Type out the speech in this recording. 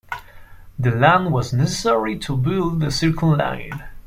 The land was necessary to build the Circle Line.